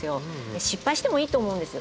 失敗してもいいと思うんです。